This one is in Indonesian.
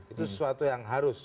itu sesuatu yang harus